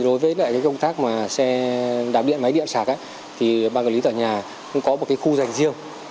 đối với công tác xe đạp điện máy điện sạc băng lý tòa nhà cũng có một khu dành riêng